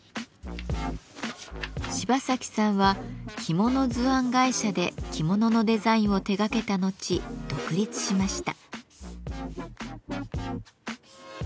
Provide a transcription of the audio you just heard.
芝崎さんは着物図案会社で着物のデザインを手がけた後独立しました。